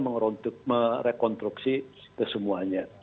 merekonstruksi itu semuanya